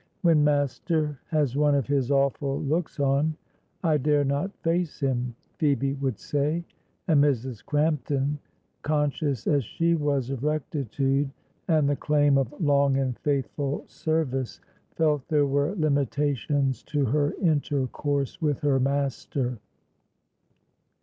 "When master has one of his awful looks on, I dare not face him," Phoebe would say, and Mrs. Crampton, conscious as she was of rectitude and the claim of long and faithful service, felt there were limitations to her intercourse with her master.